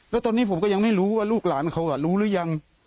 แล้วตอนนี้ผมก็ยังไม่รู้ว่าลูกหลานเขารู้หรือยัง